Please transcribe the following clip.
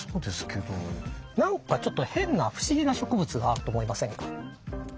何かちょっと変な不思議な植物があると思いませんか。